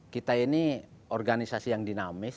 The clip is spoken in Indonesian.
kita ini organisasi yang dinamis